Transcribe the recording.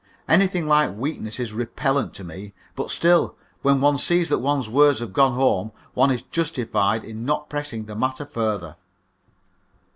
Anything like weakness is repellent to me, but still, when one sees that one's words have gone home, one is justified in not pressing the matter further.